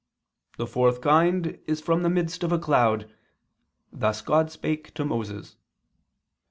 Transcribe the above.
The fourth kind is from the midst of a cloud: thus God spake to Moses.